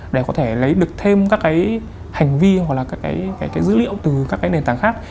để có thể lấy được thêm các cái hành vi hoặc là các cái dữ liệu từ các cái nền tảng khác